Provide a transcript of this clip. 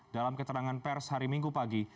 dalam keterangan pers hari minggu pagi